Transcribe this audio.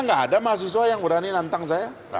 nggak ada mahasiswa yang berani nantang saya